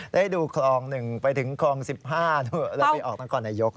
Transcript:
ได้ดูคลอง๑ไปถึงคลอง๑๕แล้วไปออกนครนายก